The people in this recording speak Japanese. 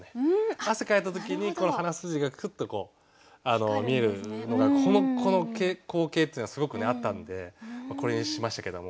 汗かいた時に鼻筋がくっと見えるのがこの光景っていうのはすごくねあったんでこれにしましたけども。